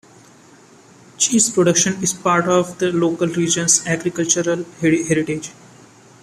Cheese production is part of the local region's agricultural heritage.